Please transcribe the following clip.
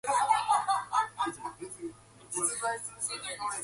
Older volcanic activity within this belt has generated a number of porphyry deposits.